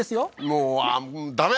もうダメ！